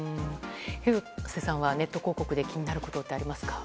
廣瀬さんはネット広告で気になるところってありますか？